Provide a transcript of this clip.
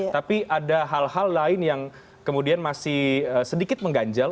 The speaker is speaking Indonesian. tapi ada hal hal lain yang kemudian masih sedikit mengganjal